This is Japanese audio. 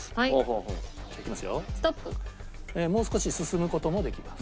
もう少し進む事もできます。